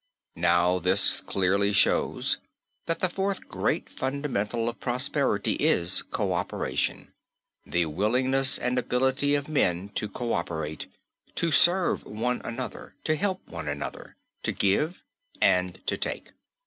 Now this clearly shows that the fourth great fundamental of prosperity is coöperation, the willingness and ability of men to coöperate, to serve one another, to help one another, to give and to take.